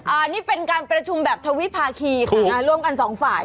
อันนี้เป็นการประชุมแบบทวิภาคีค่ะนะร่วมกันสองฝ่าย